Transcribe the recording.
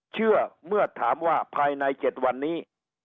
เชื่อเมื่อถามว่าภายใน๗วันนี้